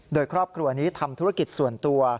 โดยครอบครัวนี้ทำธุรกิจส่วนตัว